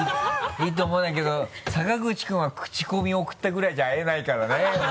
いいと思うんだけど坂口君はクチコミ送ったぐらいじゃ会えないからね。